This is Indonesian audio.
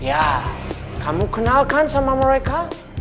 ya kamu kenalkan sama mereka